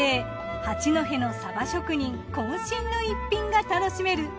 八戸のサバ職人渾身の逸品が楽しめる鯖